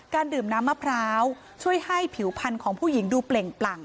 ดื่มน้ำมะพร้าวช่วยให้ผิวพันธุ์ของผู้หญิงดูเปล่งปลั่ง